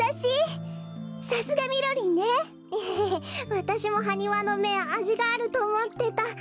わたしもハニワのめあじがあるとおもってた。